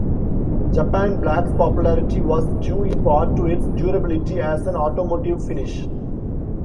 Japan black's popularity was due in part to its durability as an automotive finish.